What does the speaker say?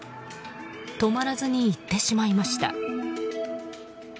止まらずに行ってしまいました。